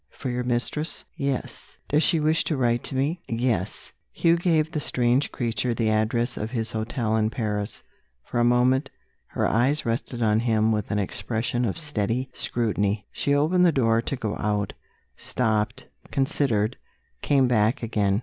"For your mistress?" "Yes." "Does she wish to write to me?" "Yes." Hugh gave the strange creature the address of his hotel in Paris. For a moment, her eyes rested on him with an expression of steady scrutiny. She opened the door to go out stopped considered came back again.